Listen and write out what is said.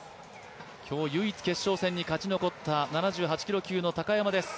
今日、唯一決勝戦に勝ち残った７８キロ級の高山です。